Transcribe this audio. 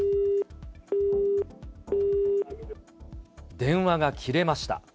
電話が切れました。